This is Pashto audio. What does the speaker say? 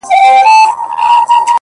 د زړه ساعت كي مي پوره يوه بجه ده گراني ـ